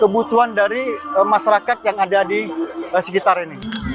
kebutuhan dari masyarakat yang ada di sekitar ini